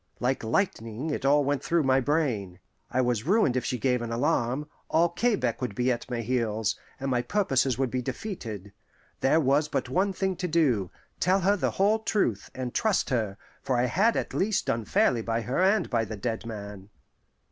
Like lightning it all went through my brain. I was ruined if she gave an alarm: all Quebec would be at my heels, and my purposes would be defeated. There was but one thing to do tell her the whole truth, and trust her; for I had at least done fairly by her and by the dead man.